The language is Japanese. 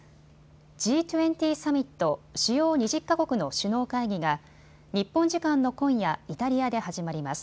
Ｇ２０サミット・主要２０か国の首脳会議が日本時間の今夜、イタリアで始まります。